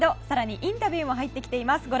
更にインタビューも入ってきています。